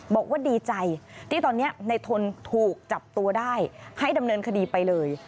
บอกว่าดีใจที่ตอนนี้ในทนถูกจับตัวได้ให้ดำเนินคดีไปเลย